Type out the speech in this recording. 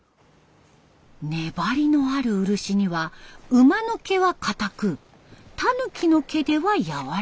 粘りのある漆には馬の毛はかたくたぬきの毛ではやわらかい。